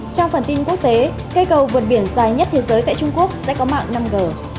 trong phần tin quốc tế cây cầu vượt biển dài nhất thế giới tại trung quốc sẽ có mạng năm g